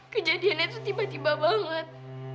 kejadiannya itu tiba tiba banget